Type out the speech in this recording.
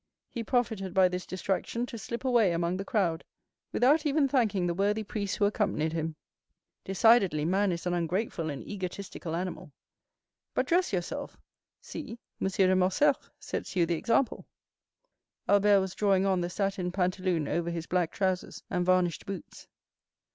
He profited by this distraction to slip away among the crowd, without even thanking the worthy priests who accompanied him. Decidedly man is an ungrateful and egotistical animal. But dress yourself; see, M. de Morcerf sets you the example." Albert was drawing on the satin pantaloon over his black trousers and varnished boots.